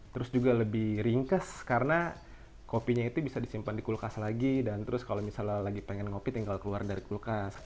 terus juga lebih ringkes karena kopinya itu bisa disimpan di kulkas lagi dan terus kalau misalnya lagi pengen ngopi tinggal keluar dari kulkas